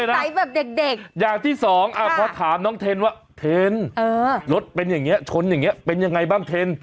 อย่างแรกเลยนะอย่างที่สองพอถามน้องเท้นว่าเท้นรถเป็นอย่างเงี้ยชนอย่างเงี้ยเป็นยังไงบ้างเท้น